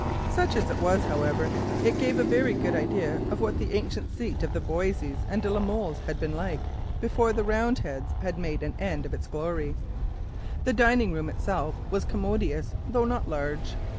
Such as it was, however, it gave a very good idea of what the ancient seat of the Boisseys and de la Molles had been like before the Roundheads had made an end of its glory. The dining room itself was commodious, though not large.